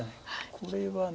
これは。